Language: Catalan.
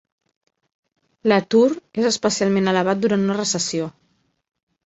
L'atur és especialment elevat durant una recessió.